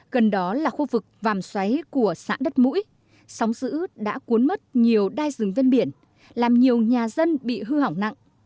gần đó là khu vực vàm xoáy của xã đất mũi sóng giữ đã cuốn mất nhiều đai rừng ven biển làm nhiều nhà dân bị hư hỏng nặng